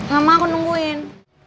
gak mau aku nungguin